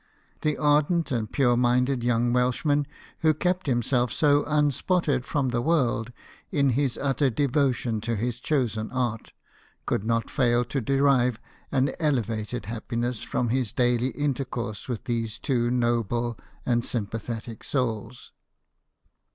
The ardent and pure minded young Welshman, who kept himself so unspotted from the world in his utter devotion to his chosen art, could not fail to derive an elevated happi ness from his daily intercourse with these two noble and sympathetic souls.